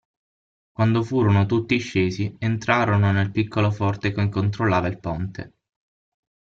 Quando furono tutti scesi, entrarono nel piccolo forte che controllava il ponte.